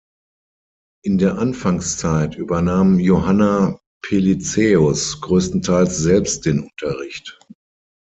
In der Anfangszeit übernahm Johanna Pelizaeus größtenteils selbst den Unterricht.